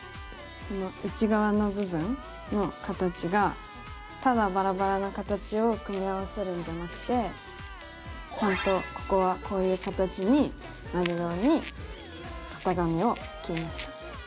この内側の部分の形がただバラバラな形を組み合わせるんじゃなくてちゃんとここはこういう形になるように型紙を切りました。